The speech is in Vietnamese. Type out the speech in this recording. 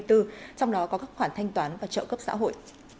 trong đó có các khoản thanh toán và trợ cấp xã hội